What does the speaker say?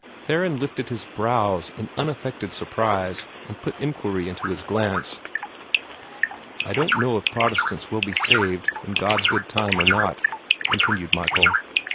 Theron lifted his brows in unaffected surprise, and put inquiry into his glance. "I don't know if Protestants will be saved, in God's good time, or not," continued Michael.